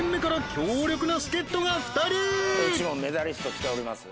こっちもメダリスト来ております